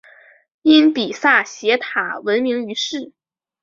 因比萨斜塔闻名于世。